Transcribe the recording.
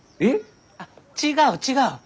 あっ違う違う！